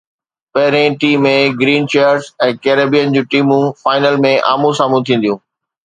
پهرئين ٽي ۾ Green Shirts ۽ Caribbean جون ٽيمون فائنل ۾ آمهون سامهون ٿينديون